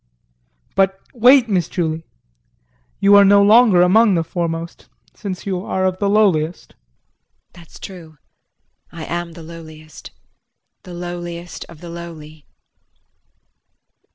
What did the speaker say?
But wait, Miss Julie you are no longer among the foremost since you are of the lowliest. JULIE. That's true, I am the lowliest the lowliest of the lowly.